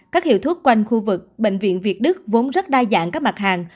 các hiệu thuốc quanh khu vực bệnh viện việt đức vốn rất đa dạng các mặt hàng